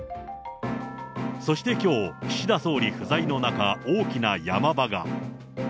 そしてきょう、岸田総理不在の中、大きなヤマ場が。